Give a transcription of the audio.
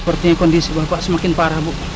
sepertinya kondisi bapak semakin parah bu